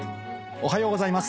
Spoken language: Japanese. おはようございます。